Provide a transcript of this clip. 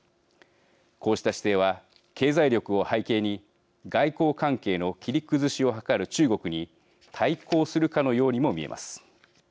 こうした姿勢は経済力を背景に外交関係の切り崩しを図る中国に対抗するかのようにも見えます。